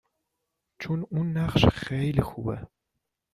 چون اون نقش خیلی خوبه